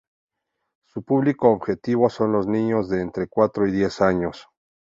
Su público objetivo son los niños de entre cuatro y diez años.